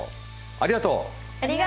ありがとう！